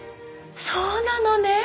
そうなのね！